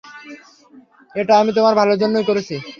এটা আমি তোমার ভালোর জন্যই করছি।